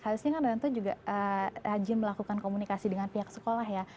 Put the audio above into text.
harusnya kan orang tua juga rajin melakukan komunikasi dengan pihak sekolah ya